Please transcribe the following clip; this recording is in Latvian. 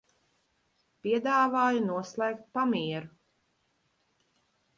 Piedāvāju noslēgt pamieru.